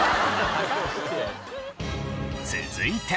続いて。